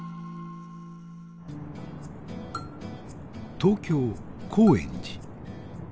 東京高円寺。